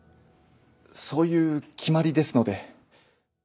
そういう決まりですので。